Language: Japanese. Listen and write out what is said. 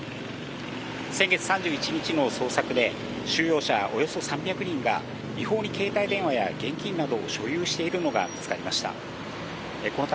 先月３１日の捜索で、収容者およそ３００人が、違法に携帯電話や現金などを所有しているのが見つかりました。